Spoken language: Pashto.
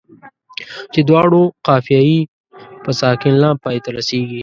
چې دواړو قافیه یې په ساکن لام پای ته رسيږي.